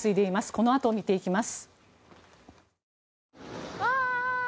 このあと見ていきます。